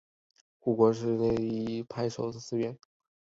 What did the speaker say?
护国寺是日本东京都文京区大冢五丁目的真言宗丰山派寺院。